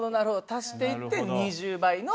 足していって２０倍の。